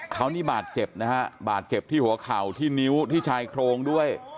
เขานี่บาดเจ็บนะฮะบาดเจ็บที่หัวเข่าที่นิ้วที่ชายโครงด้วย